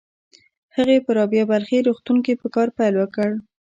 هغې په رابعه بلخي روغتون کې په کار پيل وکړ.